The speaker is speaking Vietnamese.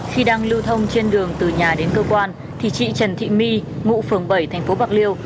khi đang lưu thông trên đường từ nhà đến cơ quan thì chị trần thị my ngụ phường bảy thành phố bạc liêu